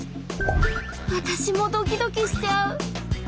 わたしもドキドキしちゃう。